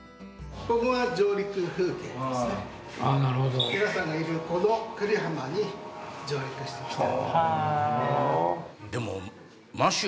そして皆さんがいるこの久里浜に上陸してきた。